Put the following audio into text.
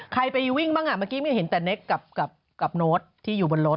ใครไปวิ่งบ้างเมื่อกี้ไม่เห็นแต่เน็กกับโน้ตที่อยู่บนรถ